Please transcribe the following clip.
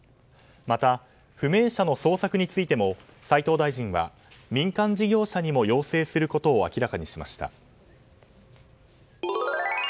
また、不明者の捜索についても斉藤大臣は民間事業者にも要請することを明らかにしました。